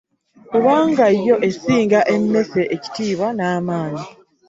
Kubanga yo esinga emesse ekitibwa n'amaanyi .